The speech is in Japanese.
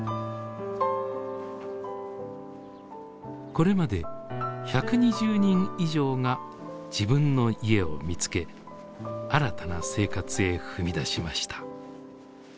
これまで１２０人以上が自分の家を見つけ新たな生活へ踏み出しました。